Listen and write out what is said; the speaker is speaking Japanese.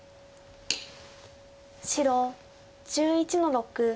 白１１の六取り。